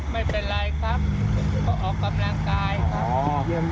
ไม่เป็นไรครับเขาออกกำลังกายครับ